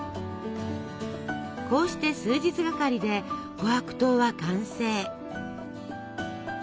こうして数日がかりで琥珀糖は完成。